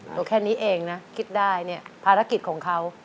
เอาแค่นี้เองนะคิดได้เนี่ยภารกิจของเขา